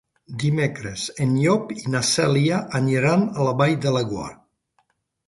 Dimecres en Llop i na Cèlia aniran a la Vall de Laguar.